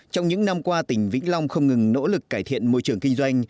trong những năm qua tỉnh vĩnh long không ngừng nỗ lực cải thiện môi trường kinh doanh